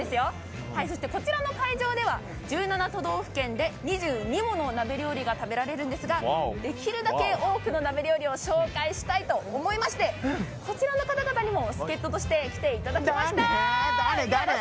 こちらの会場では１７都道府県で２２もの鍋料理が食べられるんですができるだけ多くの鍋料理を紹介したいと思いましてこちらの方々にも助っ人として来ていただきました。